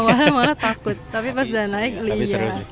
awalnya malah takut tapi pas udah naik lebih ya